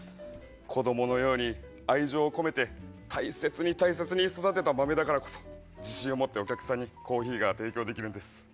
子どものように愛情を込めて、大切に大切に育てた豆だからこそ、自信を持ってお客さんにコーヒーが提供できるんです。